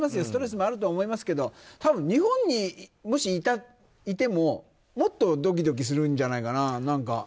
ストレスもあるとは思いますけど多分、日本にもしいてももっとドキドキするんじゃないかな。